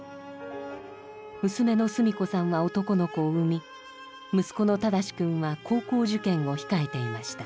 娘のすみ子さんは男の子を生み息子の正君は高校受験を控えていました。